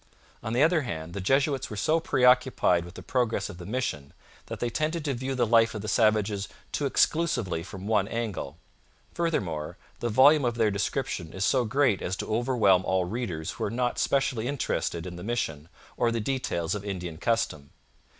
On the other hand, the Jesuits were so preoccupied with the progress of the mission that they tended to view the life of the savages too exclusively from one angle. Furthermore, the volume of their description is so great as to overwhelm all readers who are not specially interested in the mission or the details of Indian custom.